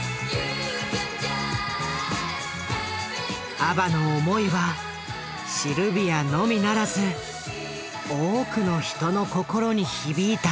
ＡＢＢＡの思いはシルビアのみならず多くの人の心に響いた。